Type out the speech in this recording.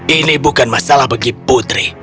ini bukan masalah bagi putri